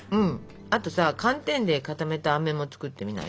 あとさ寒天で固めたあめも作ってみない？